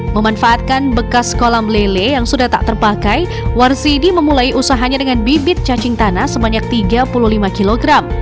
memanfaatkan bekas kolam lele yang sudah tak terpakai warsidi memulai usahanya dengan bibit cacing tanah sebanyak tiga puluh lima kg